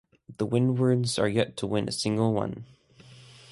The Windwards are yet to win a single one.